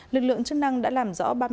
lực lượng chức năng đã làm rõ